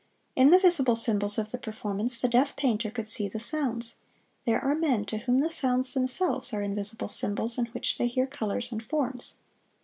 In the visible symbols of the performance the deaf painter could see the sounds. There are men to whom the sounds themselves are invisible symbols in which they hear colors and forms.